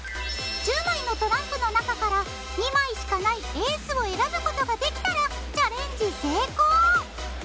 １０枚のトランプの中から２枚しかないエースを選ぶことができたらチャレンジ成功。